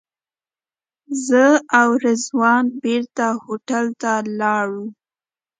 زه او رضوان بېرته هوټل ته لاړو.